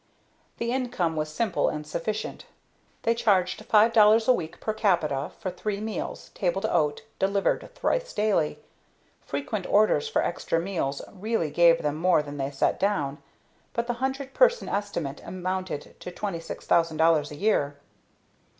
The income was simple and sufficient. They charged $5.00 a week per capita for three meals, table d'hote, delivered thrice daily. Frequent orders for extra meals really gave them more than they set down, but the hundred person estimate amounted to $26,000 a year.